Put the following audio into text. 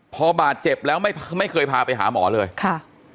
พอบาดเจ็บแล้วไม่ไม่เคยพาไปหาหมอเลยค่ะ